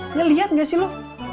ngeliat gak sih lu